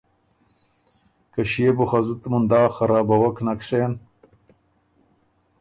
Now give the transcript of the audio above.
که ݭيې بو خۀ زُت مُندا خرابوک نک سېن